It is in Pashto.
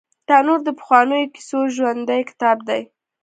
تنور د پخوانیو کیسو ژوندي کتاب دی